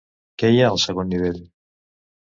Què hi ha al segon nivell?